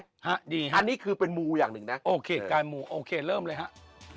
อันนี้คือเป็นมูอย่างหนึ่งนะโอเคกายมูโอเคเริ่มเลยฮะ